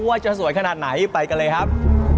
ว่าจะสวยขนาดไหนไปกันเลยครับ